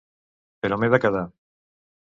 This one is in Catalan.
Però m'he de quedar.